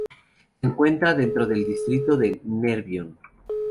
Se encuentra dentro del Distrito de Nervión.